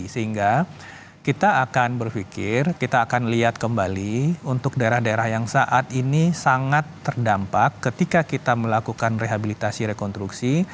sehingga kita akan berpikir kita akan lihat kembali untuk daerah daerah yang saat ini sangat terdampak ketika kita melakukan rehabilitasi rekonstruksi